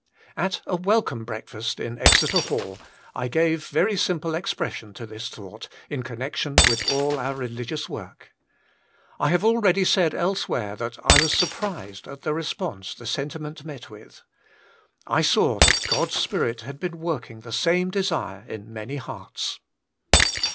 At a ' welcome ' breakfast in Exeter Hall, I gave very simple expression to this thought in con nection with all OUT religious work. I have already said elsewhere that I was surprised at the response the sentiment met with. I saw that God's Spirit had been working the same desire in many hearts.